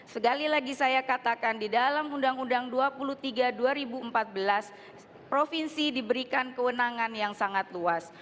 sekali lagi saya katakan di dalam undang undang dua puluh tiga dua ribu empat belas provinsi diberikan kewenangan yang sangat luas